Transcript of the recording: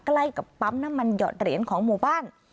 ใกล้กับปั๊มน้ำมันหยอดเหรียญของหมู่บ้าน